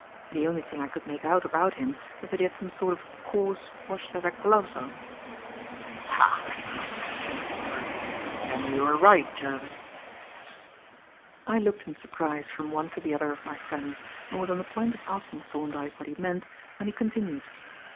The only thing I could make out about him was that he had some sort of coarse wash leather gloves on." "Ha!" exclaimed Thorndyke. "Then we were right, Jervis." I looked in surprise from one to the other of my friends, and was on the point of asking Thorndyke what he meant, when he continued.